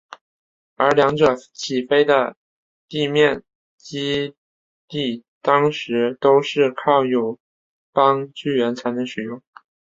而两者起飞的地面基地当时都是靠友邦支援才能使用。